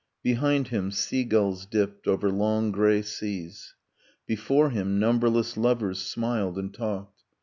Behind him, sea gulls dipped over long grey seas. Before him, numberless lovers smiled and talked.